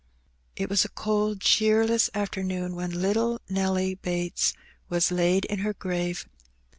It was a cold cheerless afternoon when little Nelly Bates was laid in her grave.